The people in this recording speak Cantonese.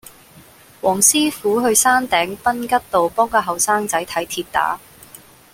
黃師傅去山頂賓吉道幫個後生仔睇跌打